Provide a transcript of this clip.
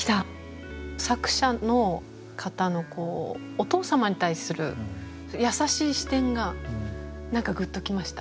作者の方のお父様に対する優しい視点が何かグッときました。